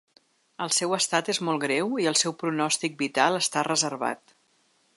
El seu estat és molt greu i el seu pronòstic vital està reservat.